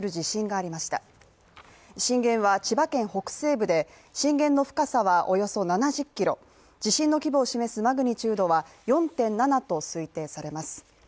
震源は千葉県北西部で震源の深さはおよそ７０キロ地震の規模を示すマグニチュードは４．７と推定されます。